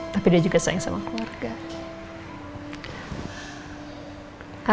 tapi dia juga sayang sama keluarga